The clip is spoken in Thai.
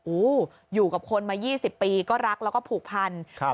อู้วอยู่กับคนมายี่สิบปีก็รักแล้วก็ผูกพันธุ์